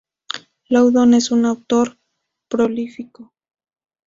Loudon es un autor prolífico.